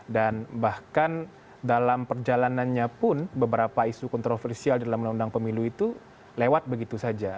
dan bahkan dalam perjalanannya pun beberapa isu kontroversial dalam undang undang pemilu itu lewat begitu saja